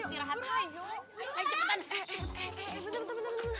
aduh aduh kayaknya gue